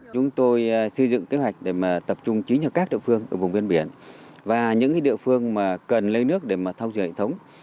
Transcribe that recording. chúng tôi xây dựng kế hoạch để tập trung chí nhập các địa phương ở vùng ven biển và những địa phương cần lấy nước để thao dự hệ thống